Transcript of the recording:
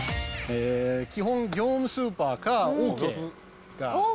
基本、業務スーパーかオーケー。